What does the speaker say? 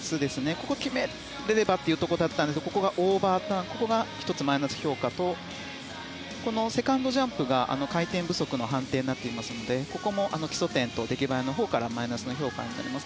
ここを決められればというところだったんですがここがオーバーターンで１つマイナス評価とこのセカンドジャンプが回転不足の判定になってますのでここも基礎点と出来栄えからマイナスの評価になります。